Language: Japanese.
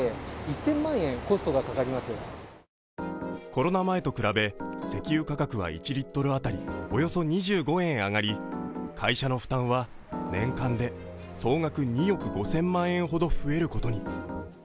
コロナ前と比べ石油価格は１リットル当たり、およそ２５円上がり、会社の負担は年間で総額２億５０００万円ほど増えることに。